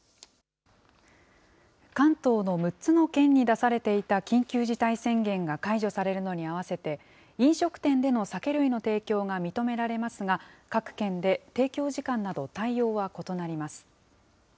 関東の６つの県に出されていた緊急事態宣言が解除されるのに合わせて、飲食店での酒類の提供が認められますが、各県で提供時間など、対応は異なります。